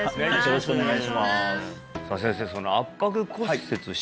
よろしくお願いします